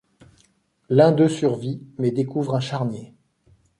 L'un d'eux survit, mais découvre un charnier.